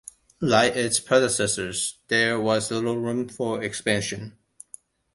Like its predecessors, there was little room for expansion.